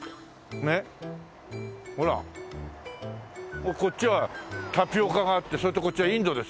もうこっちはタピオカがあってそれとこっちはインドですよ。